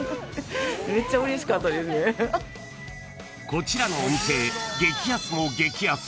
［こちらのお店激安も激安］